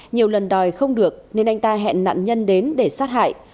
nhiều lần đòi không được nên anh ta hẹn nạn nhân đến để sát hại